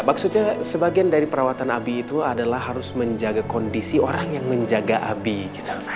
maksudnya sebagian dari perawatan abi itu adalah harus menjaga kondisi orang yang menjaga abi gitu